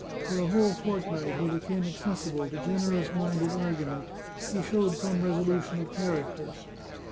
For a whole fortnight he became accessible to generous minded argu ment ; he showed some resolution of character.